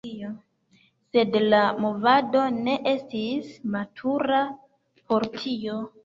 Sed la movado ne estis matura por tio.